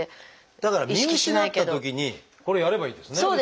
だから見失ったときにこれやればいいですね。